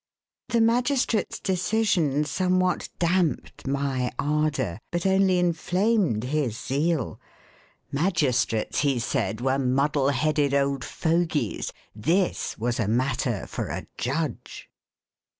The magistrate's decision somewhat damped my ardour, but only inflamed his zeal. Magistrates, he said, were muddle headed old fogies. This was a matter for a judge.